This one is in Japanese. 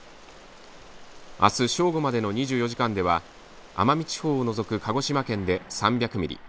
あす正午までの２４時間では奄美地方を除く鹿児島県で３００ミリ